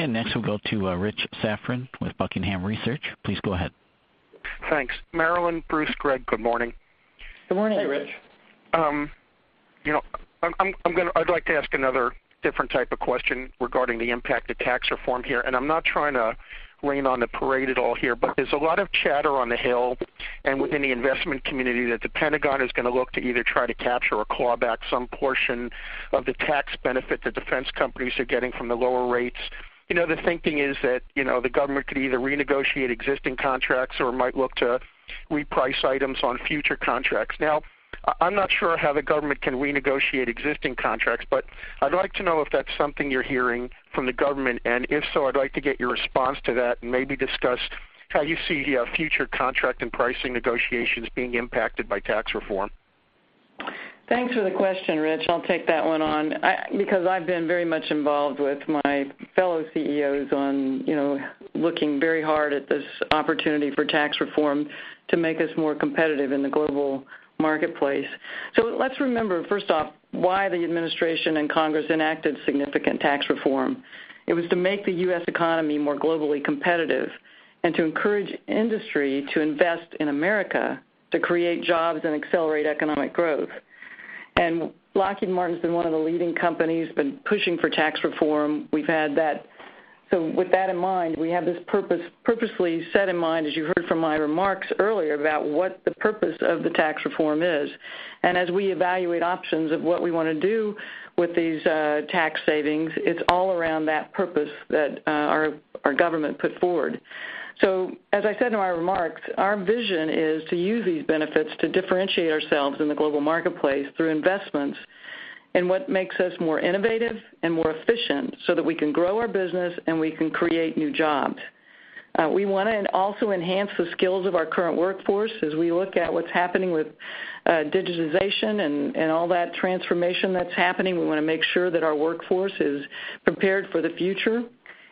Next we'll go to Rich Safran with Buckingham Research. Please go ahead. Thanks. Marillyn, Bruce, Greg, good morning. Good morning. Hey, Rich. I'd like to ask another different type of question regarding the impact of tax reform here. I'm not trying to rain on the parade at all here, there's a lot of chatter on the Hill and within the investment community that the Pentagon is going to look to either try to capture or claw back some portion of the tax benefit the defense companies are getting from the lower rates. The thinking is that the government could either renegotiate existing contracts or might look to reprice items on future contracts. I'm not sure how the government can renegotiate existing contracts, but I'd like to know if that's something you're hearing from the government, and if so, I'd like to get your response to that and maybe discuss how you see future contract and pricing negotiations being impacted by tax reform. Thanks for the question, Rich. I'll take that one on because I've been very much involved with my fellow CEOs on looking very hard at this opportunity for tax reform here to make us more competitive in the global marketplace. Let's remember, first off, why the administration and Congress enacted significant tax reform. It was to make the U.S. economy more globally competitive and to encourage industry to invest in America to create jobs and accelerate economic growth. Lockheed Martin's been one of the leading companies, been pushing for tax reform. With that in mind, we have this purposefully set in mind, as you heard from my remarks earlier, about what the purpose of the tax reform is. As we evaluate options of what we want to do with these tax savings, it's all around that purpose that our government put forward. As I said in my remarks, our vision is to use these benefits to differentiate ourselves in the global marketplace through investments in what makes us more innovative and more efficient so that we can grow our business and we can create new jobs. We want to also enhance the skills of our current workforce as we look at what's happening with digitization and all that transformation that's happening. We want to make sure that our workforce is prepared for the future,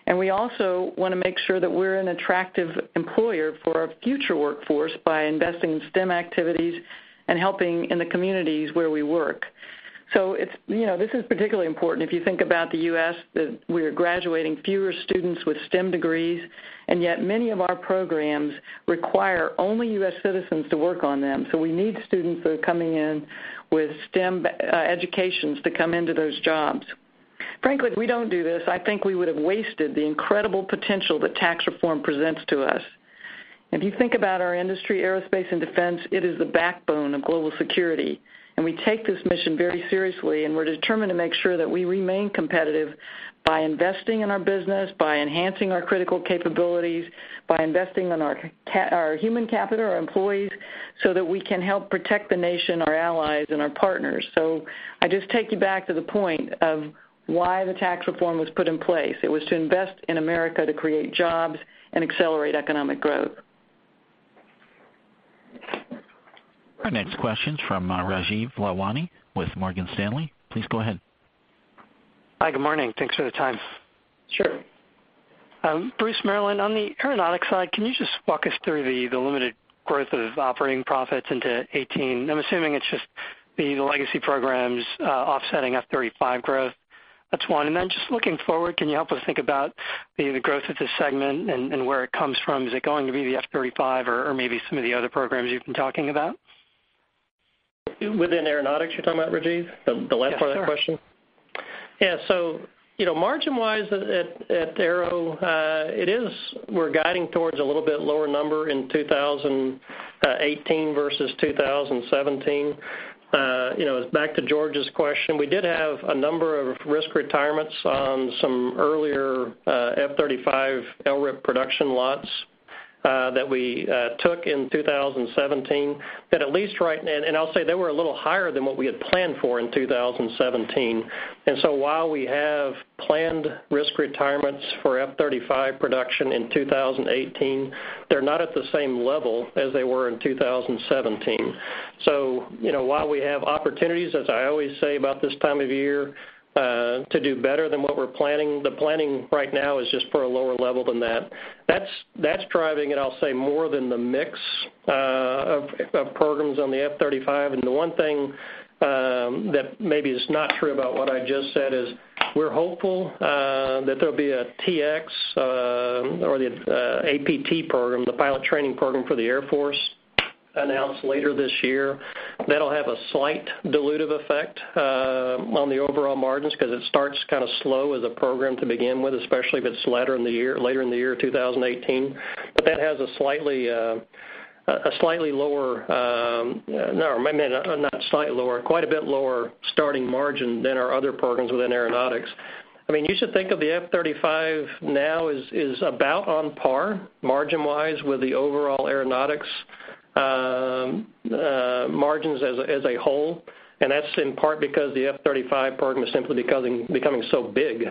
and we also want to make sure that we're an attractive employer for our future workforce by investing in STEM activities and helping in the communities where we work. This is particularly important if you think about the U.S., that we are graduating fewer students with STEM degrees, and yet many of our programs require only U.S. citizens to work on them. We need students that are coming in with STEM educations to come into those jobs. Frankly, if we don't do this, I think we would have wasted the incredible potential that tax reform presents to us. If you think about our industry, Aerospace and Defense, it is the backbone of global security, and we take this mission very seriously, and we're determined to make sure that we remain competitive by investing in our business, by enhancing our critical capabilities, by investing in our human capital, our employees, so that we can help protect the nation, our allies, and our partners. I just take you back to the point of why the tax reform was put in place. It was to invest in America to create jobs and accelerate economic growth. Our next question's from Rajeev Lalwani with Morgan Stanley. Please go ahead. Hi, good morning. Thanks for the time. Sure. Bruce, Marillyn, on the Aeronautics side, can you just walk us through the limited growth of operating profits into 2018? I'm assuming it's just the legacy programs offsetting F-35 growth. That's one. Then just looking forward, can you help us think about the growth of this segment and where it comes from? Is it going to be the F-35 or maybe some of the other programs you've been talking about? Within Aeronautics, you're talking about, Rajeev? The last part of the question? Yeah, sure. Yeah. Margin-wise at Aero, we're guiding towards a little bit lower number in 2018 versus 2017. Back to George's question, we did have a number of risk retirements on some earlier F-35 LRIP production lots that we took in 2017. I'll say they were a little higher than what we had planned for in 2017. While we have planned risk retirements for F-35 production in 2018, they're not at the same level as they were in 2017. While we have opportunities, as I always say about this time of year, to do better than what we're planning, the planning right now is just for a lower level than that. That's driving it, I'll say, more than the mix of programs on the F-35. The one thing that maybe is not true about what I just said is we're hopeful that there'll be a T-X or the APT program, the pilot training program for the Air Force, announced later this year. That'll have a slight dilutive effect on the overall margins because it starts kind of slow as a program to begin with, especially if it's later in the year 2018. That has a slightly lower, or maybe not slightly lower, quite a bit lower starting margin than our other programs within aeronautics. You should think of the F-35 now as about on par margin-wise with the overall aeronautics margins as a whole. That's in part because the F-35 program is simply becoming so big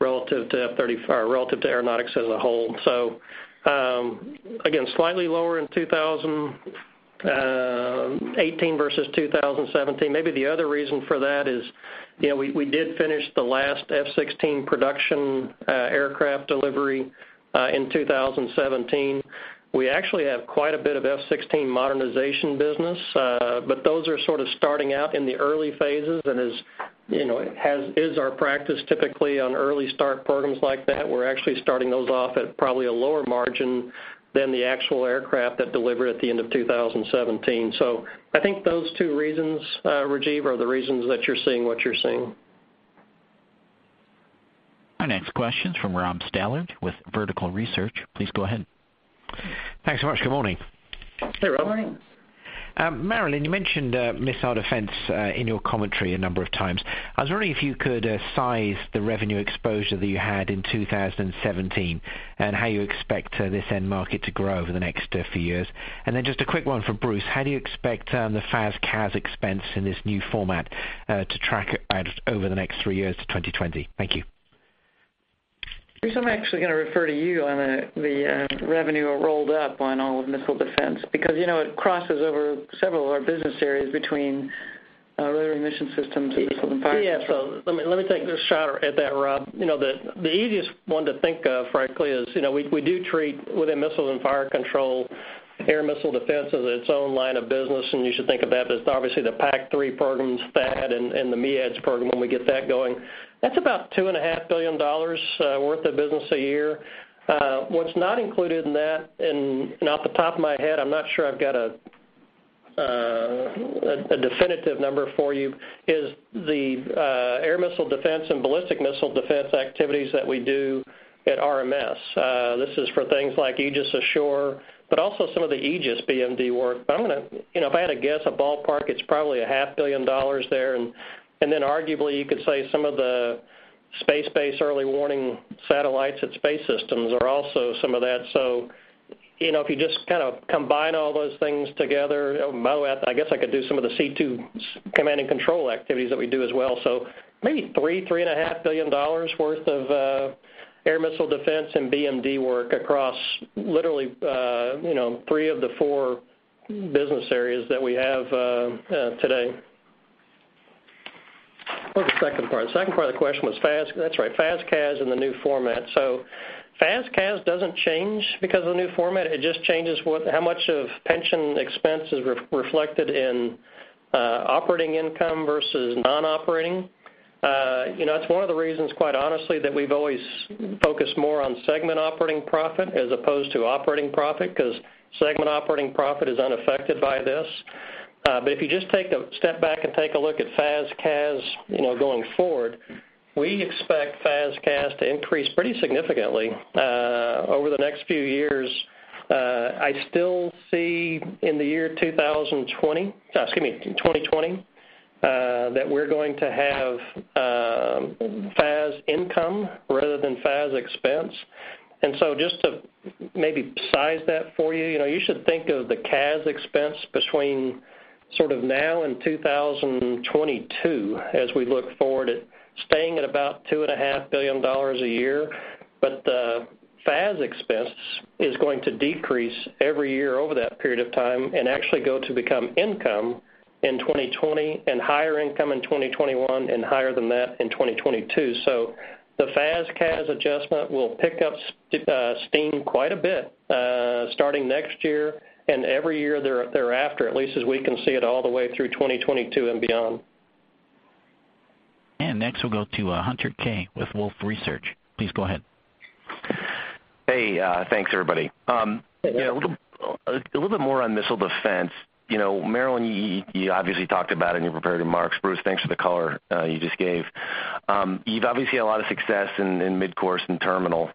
relative to aeronautics as a whole. Again, slightly lower in 2018 versus 2017. Maybe the other reason for that is we did finish the last F-16 production aircraft delivery in 2017. We actually have quite a bit of F-16 modernization business, but those are sort of starting out in the early phases, and as is our practice, typically on early start programs like that, we're actually starting those off at probably a lower margin than the actual aircraft that delivered at the end of 2017. I think those two reasons, Rajeev, are the reasons that you're seeing what you're seeing. Our next question is from Rob Stallard with Vertical Research. Please go ahead. Thanks so much. Good morning. Hey, Rob. Good morning. Marillyn, you mentioned missile defense in your commentary a number of times. I was wondering if you could size the revenue exposure that you had in 2017 and how you expect this end market to grow over the next few years. Just a quick one for Bruce, how do you expect the FAS/CAS expense in this new format to track over the next three years to 2020? Thank you. Bruce, I'm actually going to refer to you on the revenue rolled up on all of missile defense, because it crosses over several of our business areas between Rotary and Mission Systems and Missiles and Fire Control. Yeah, let me take a shot at that, Rob. The easiest one to think of, frankly, is we do treat, within Missiles and Fire Control, Air Missile Defense as its own line of business, you should think of that as obviously the PAC-3 programs, THAAD, and the MEADS program when we get that going. That's about $2.5 billion worth of business a year. What's not included in that, and off the top of my head, I'm not sure I've got a definitive number for you, is the Air Missile Defense and Ballistic Missile Defense activities that we do at RMS. This is for things like Aegis Ashore, also some of the Aegis BMD work. If I had to guess a ballpark, it's probably a half billion dollars there, arguably you could say some of the space-based early warning satellites at Space Systems are also some of that. If you just kind of combine all those things together, by the way, I guess I could do some of the C2 command and control activities that we do as well. Maybe $3 billion, $3.5 billion worth of Air Missile Defense and BMD work across literally three of the four business areas that we have today. What was the second part? The second part of the question was FAS. That's right, FAS/CAS and the new format. FAS/CAS doesn't change because of the new format. It just changes how much of pension expense is reflected in operating income versus non-operating. It's one of the reasons, quite honestly, that we've always focused more on segment operating profit as opposed to operating profit, because segment operating profit is unaffected by this. If you just take a step back and take a look at FAS/CAS going forward, we expect FAS/CAS to increase pretty significantly over the next few years. I still see in the year 2020 that we're going to have FAS income rather than FAS expense. Just to maybe size that for you should think of the CAS expense between sort of now and 2022 as we look forward at staying at about $2.5 billion a year. The FAS expense is going to decrease every year over that period of time and actually go to become income in 2020, higher income in 2021, and higher than that in 2022. The FAS/CAS adjustment will pick up steam quite a bit starting next year and every year thereafter, at least as we can see it all the way through 2022 and beyond. Next, we'll go to Hunter Keay with Wolfe Research. Please go ahead. Hey, thanks everybody. A little bit more on missile defense. Marillyn, you obviously talked about it in your prepared remarks. Bruce, thanks for the color you just gave. You've obviously had a lot of success in midcourse and terminal,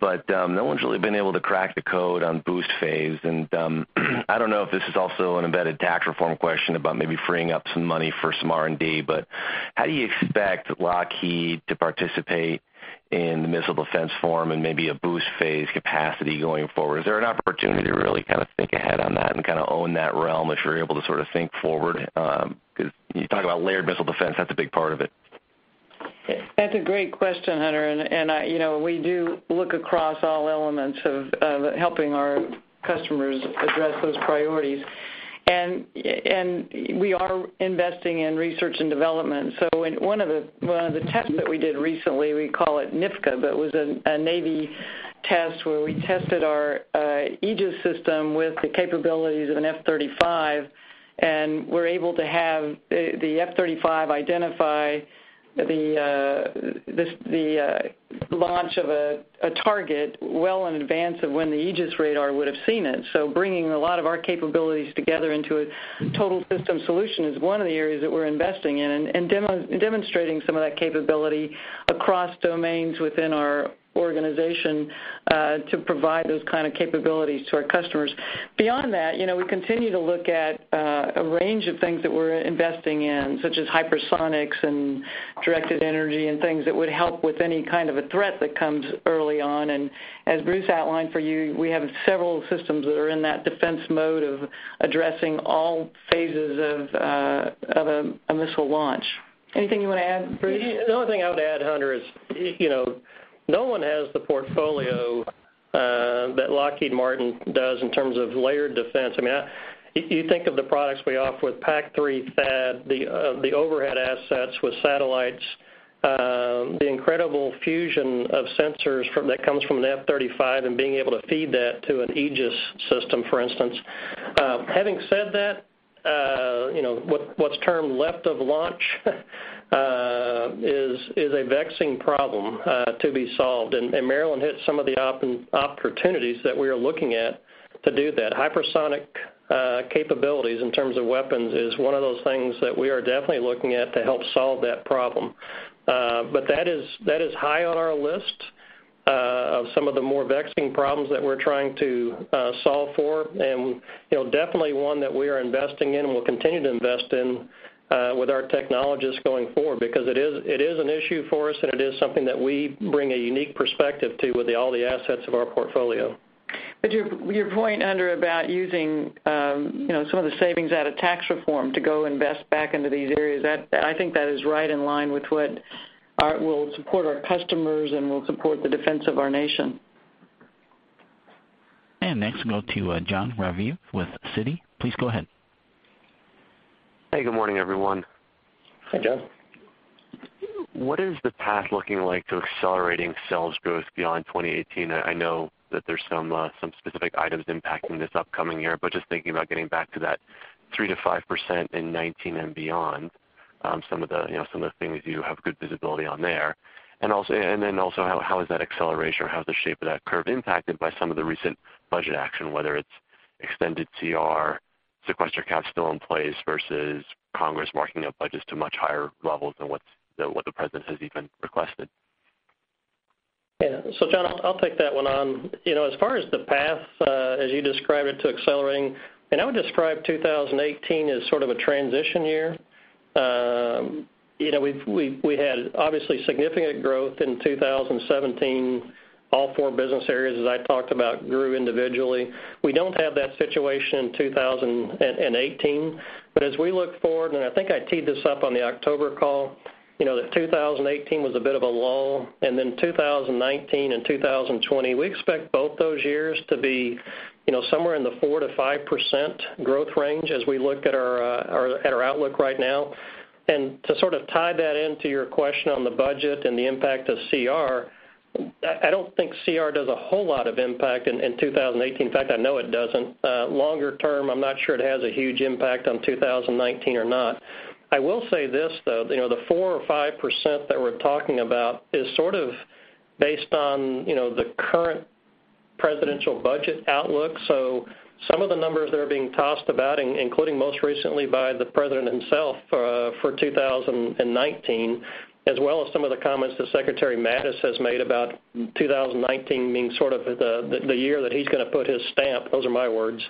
but no one's really been able to crack the code on boost phase. I don't know if this is also an embedded tax reform question about maybe freeing up some money for some R&D, but how do you expect Lockheed to participate in the missile defense forum and maybe a boost phase capacity going forward? Is there an opportunity to really kind of think ahead on that and kind of own that realm if you're able to sort of think forward? You talk about layered missile defense, that's a big part of it. That's a great question, Hunter. We do look across all elements of helping our customers address those priorities. We are investing in research and development. One of the tests that we did recently, we call it NIFC-CA, but it was a Navy test where we tested our Aegis system with the capabilities of an F-35, and we're able to have the F-35 identify the launch of a target well in advance of when the Aegis radar would have seen it. Bringing a lot of our capabilities together into a total system solution is one of the areas that we're investing in and demonstrating some of that capability across domains within our organization, to provide those kind of capabilities to our customers. Beyond that, we continue to look at a range of things that we're investing in, such as hypersonics and directed energy and things that would help with any kind of a threat that comes early on. As Bruce outlined for you, we have several systems that are in that defense mode of addressing all phases of a missile launch. Anything you want to add, Bruce? The only thing I would add, Hunter, is no one has the portfolio that Lockheed Martin does in terms of layered defense. You think of the products we offer with PAC-3, THAAD, the overhead assets with satellites, the incredible fusion of sensors that comes from an F-35, and being able to feed that to an Aegis system, for instance. Having said that, what's termed left of launch is a vexing problem to be solved. Marillyn hit some of the opportunities that we are looking at to do that. Hypersonic capabilities in terms of weapons is one of those things that we are definitely looking at to help solve that problem. That is high on our list of some of the more vexing problems that we're trying to solve for. Definitely one that we are investing in and will continue to invest in with our technologists going forward because it is an issue for us, and it is something that we bring a unique perspective to with all the assets of our portfolio. Your point, Hunter, about using some of the savings out of tax reform to go invest back into these areas, I think that is right in line with what will support our customers and will support the defense of our nation. Next we'll go to Jon Raviv with Citi. Please go ahead. Hey, good morning, everyone. Hi, Jon. What is the path looking like to accelerating sales growth beyond 2018? I know that there's some specific items impacting this upcoming year, but just thinking about getting back to that 3%-5% in 2019 and beyond. Some of the things you have good visibility on there. Then also, how is that acceleration or how is the shape of that curve impacted by some of the recent budget action, whether it's extended CR, sequester caps still in place versus Congress marking up budgets to much higher levels than what the President has even requested? Yeah. Jon, I'll take that one on. As far as the path, as you described it, to accelerating, I would describe 2018 as sort of a transition year. We had obviously significant growth in 2017. All four business areas, as I talked about, grew individually. We don't have that situation in 2018. As we look forward, I think I teed this up on the October call, that 2018 was a bit of a lull, 2019 and 2020, we expect both those years to be somewhere in the 4%-5% growth range as we look at our outlook right now. To sort of tie that into your question on the budget and the impact of CR, I don't think CR does a whole lot of impact in 2018. In fact, I know it doesn't. Longer term, I'm not sure it has a huge impact on 2019 or not. I will say this, though, the 4% or 5% that we're talking about is sort of based on the current presidential budget outlook. Some of the numbers that are being tossed about, including most recently by the President himself for 2019, as well as some of the comments that Secretary Mattis has made about 2019 being sort of the year that he's going to put his stamp, those are my words,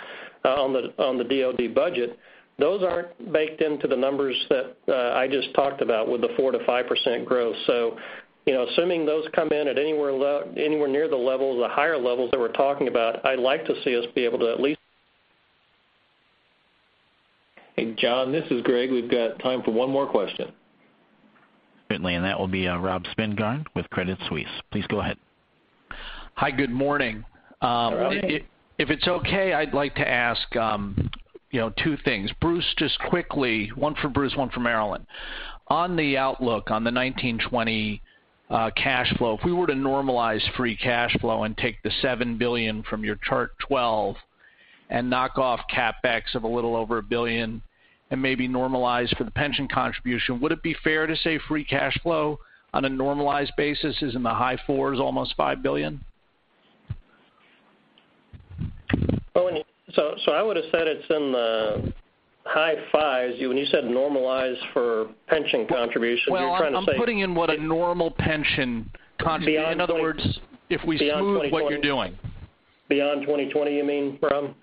on the DoD budget. Those aren't baked into the numbers that I just talked about with the 4%-5% growth. Assuming those come in at anywhere near the levels, the higher levels that we're talking about, I'd like to see us be able to at least Hey, John, this is Greg. We've got time for one more question. Certainly. That will be Rob Spingarn with Credit Suisse. Please go ahead. Hi, good morning. Rob, how are you? If it's okay, I'd like to ask two things. Bruce, just quickly, one for Bruce, one for Marillyn. On the outlook on the 2019, 2020 cash flow, if we were to normalize free cash flow and take the $7 billion from your chart 12 and knock off CapEx of a little over a billion and maybe normalize for the pension contribution, would it be fair to say free cash flow on a normalized basis is in the high fours, almost $5 billion? I would've said it's in the high fives. When you said normalized for pension contribution, you're trying to say. Well, I'm putting in what a normal pension contribution. Beyond 20- In other words, if we smooth what you're doing. Beyond 2020, you mean, Rob?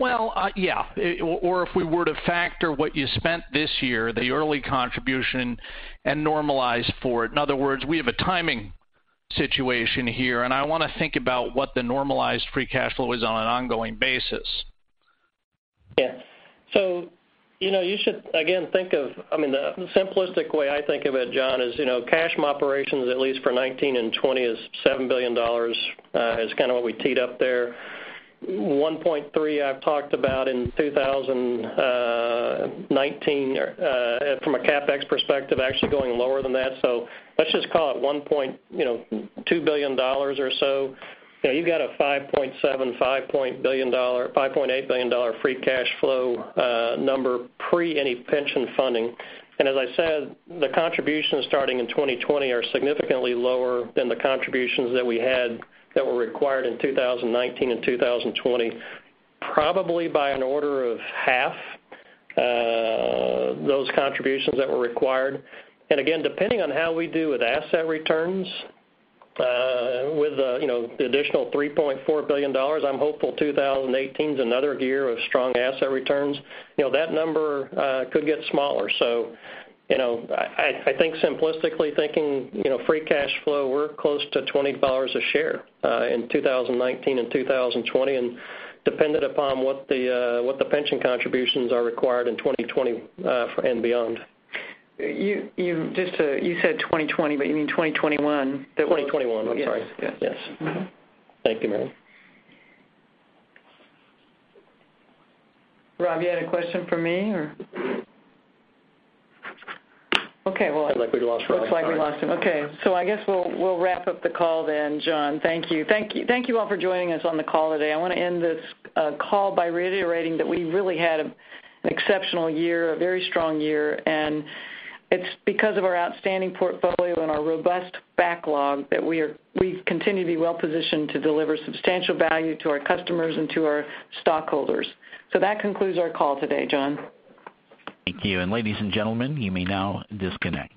Well, yeah. If we were to factor what you spent this year, the early contribution, and normalize for it. In other words, we have a timing situation here, and I want to think about what the normalized free cash flow is on an ongoing basis. Yeah. You should, again, think of, the simplistic way I think of it, John, is cash operations, at least for 2019 and 2020, is $7 billion, is kind of what we teed up there. $1.3 billion, I've talked about in 2019, from a CapEx perspective, actually going lower than that. Let's just call it $1.2 billion or so. You've got a $5.7 billion-$5.8 billion free cash flow number pre any pension funding. As I said, the contributions starting in 2020 are significantly lower than the contributions that we had that were required in 2019 and 2020, probably by an order of half those contributions that were required. Again, depending on how we do with asset returns with the additional $3.4 billion, I'm hopeful 2018 is another year of strong asset returns. That number could get smaller, so I think simplistically thinking, free cash flow, we're close to $20 a share in 2019 and 2020, and dependent upon what the pension contributions are required in 2020 and beyond. You said 2020, but you mean 2021. 2021. I'm sorry. Yes. Yes. Thank you, Marillyn. Rob, you had a question for me, or? Looks like we lost Rob, sorry. Looks like we lost him. Okay. I guess we'll wrap up the call then, John. Thank you. Thank you all for joining us on the call today. I want to end this call by reiterating that we really had an exceptional year, a very strong year, and it's because of our outstanding portfolio and our robust backlog that we continue to be well positioned to deliver substantial value to our customers and to our stockholders. That concludes our call today, John. Thank you. Ladies and gentlemen, you may now disconnect.